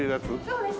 そうです。